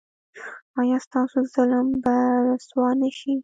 ایا ستاسو ظالم به رسوا نه شي؟